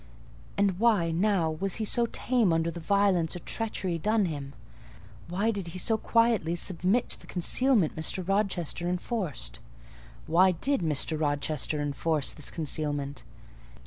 And why, now, was he so tame under the violence or treachery done him? Why did he so quietly submit to the concealment Mr. Rochester enforced? Why did Mr. Rochester enforce this concealment?